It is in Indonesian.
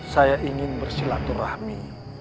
saya ingin bersilaturahmi